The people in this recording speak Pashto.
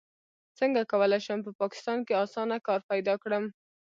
څنګه کولی شم په پاکستان کې اسانه کار پیدا کړم